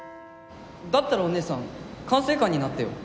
だったらお姉さん管制官になってよ。